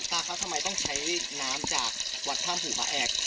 ตาเขาทำไมต้องใช้น้ำจากวัดท่ามภูพาเอก